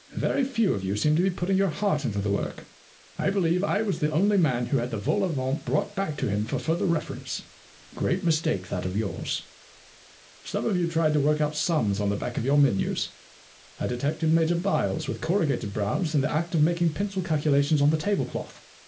Very few of you seemed to be putting your heart into the work, and I believe I was the only man who had the vol au vent brought back to him for further reference. Great mistake that of yours. 68 The Win and Lose Problem Some of you tried to work out sums on the back of your menus. I detected Major Byles, with corrugated brows, in the act of making pencil calculations on the tablecloth.